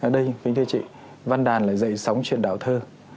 đây kính thưa chị văn đàn là dạy sống chuyện đạo thơ